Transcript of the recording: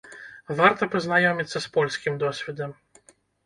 Варта пазнаёміцца з польскім досведам!